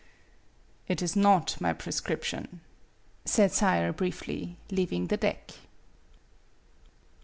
"It is not my prescription," said Sayre, briefly, leaving the deck.